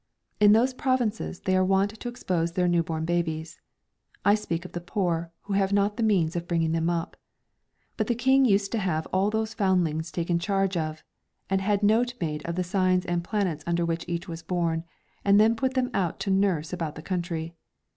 In those provinces they are wont to expose their new born babes ; I speak of the poor, who have not the means of bringing them up. But the King used to have all those foundlings taken charge of, and had note made of the signs and planets under which each was born, and then put them out to nurse about the country.